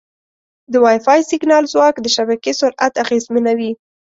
د وائی فای سیګنال ځواک د شبکې سرعت اغېزمنوي.